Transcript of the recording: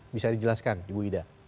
bisa dijelaskan ibu ida